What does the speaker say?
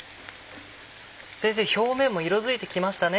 先生表面も色づいてきましたね。